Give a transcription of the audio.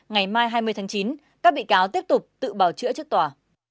ngày mai hai mươi tháng chín các bị cáo tiếp tục tự bào chữa trước tòa